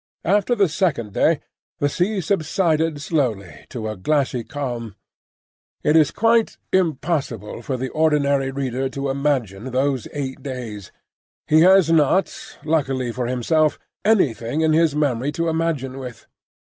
After the second day the sea subsided slowly to a glassy calm. It is quite impossible for the ordinary reader to imagine those eight days. He has not, luckily for himself, anything in his memory to imagine with.